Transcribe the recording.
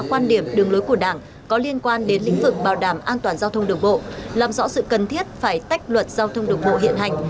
quan điểm đường lối của đảng có liên quan đến lĩnh vực bảo đảm an toàn giao thông đường bộ làm rõ sự cần thiết phải tách luật giao thông đường bộ hiện hành